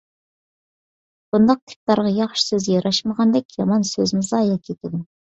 بۇنداق تىپلارغا ياخشى سۆز ياراشمىغاندەك، يامان سۆزمۇ زايە كېتىدۇ.